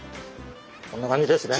こんな感じですね。